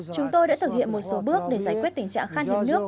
chúng tôi đã thực hiện một số bước để giải quyết tình trạng khăn hiểm nước